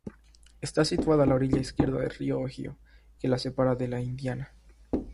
Está situada a la orilla izquierda del río Ohio que la separa de Indiana.